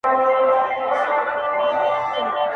ټولو پردی کړمه؛ محروم يې له هيواده کړمه.